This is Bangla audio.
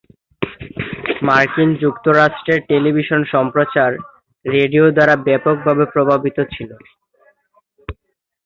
মার্কিন যুক্তরাষ্ট্রের টেলিভিশন সম্প্রচার রেডিও দ্বারা ব্যাপকভাবে প্রভাবিত ছিল।